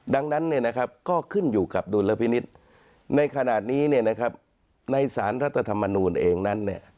ดังนั้นก็ขึ้นอยู่กับดุลพินิษฐ์ในขณะนี้ในสารรัฐธรรมนูลเองนั้น